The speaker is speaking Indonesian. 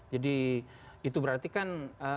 jadi itu berarti kan